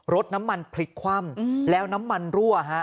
รถน้ำมันพลิกคว่ำแล้วน้ำมันรั่วฮะ